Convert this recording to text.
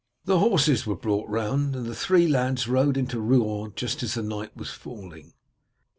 The horses were brought round, and the three lads rode into Rouen just as night was falling.